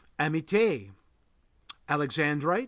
AMITIÉ Alexandrite.